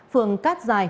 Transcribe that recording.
phường cát giài